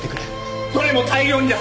どれも大量にだ。